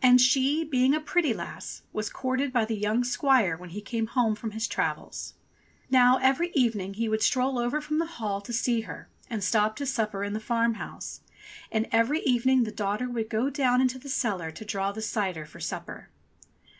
And she, being a pretty lass, was courted by the young squire when he came home from his travels. Now every evening he would stroll over from the Hall to see her and stop to supper in the farm house, and every evening the daughter would go down into the cellar to draw the cider for supper.